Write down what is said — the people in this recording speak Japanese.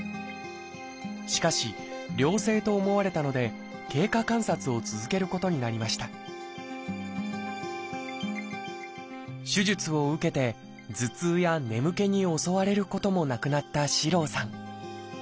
しかし良性と思われたので経過観察を続けることになりました手術を受けて頭痛や眠気に襲われることもなくなった四郎さん。